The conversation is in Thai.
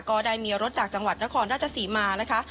ก็ได้มีรถจากจังหวัดนครราชศรีมานะคะ